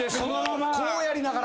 こうやりながら。